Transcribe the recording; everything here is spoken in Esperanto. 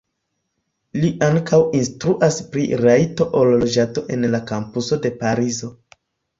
Li ankaŭ instruas pri rajto al loĝado en la kampuso de Parizo.